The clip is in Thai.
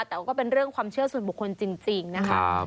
แต่ว่าก็เป็นเรื่องความเชื่อส่วนบุคคลจริงนะคะ